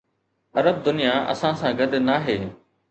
عرب دنيا اسان سان گڏ ناهي.